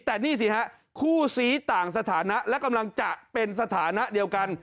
แต่นี่สิฮะคู่ซี้ต่างสถานะและกำลังจะเป็นสถานะเดียวกัน